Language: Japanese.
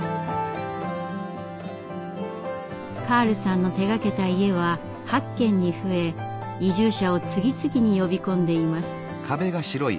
カールさんの手がけた家は８軒に増え移住者を次々に呼び込んでいます。